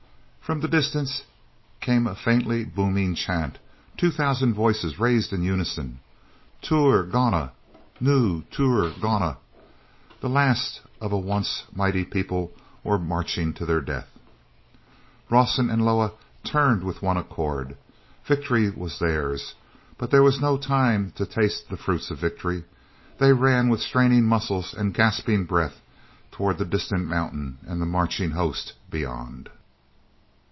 From the distance came faintly a booming chant, two thousand voices raised in unison. "Tur—gona! Nu—tur—gona!" The last of a once mighty people were marching to their death. Rawson and Loah turned with one accord. Victory was theirs, but there was no time to taste the fruits of victory. They ran with straining muscles and gasping breath toward the distant mountain and the marching host beyond.